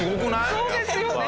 そうですよね！